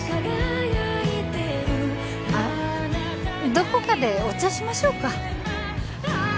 どこかでお茶しましょうか？